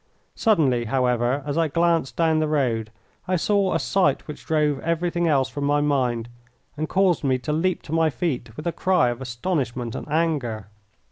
Suddenly, however, as I glanced down the road, I saw a sight which drove everything else from my mind, and caused me to leap to my feet with a cry of astonishment and anger.